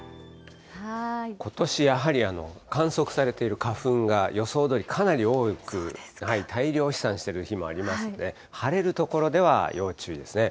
ことしやはり観測されていた花粉が、予想どおりかなり多く、大量飛散している日もありますので、晴れる所では要注意ですね。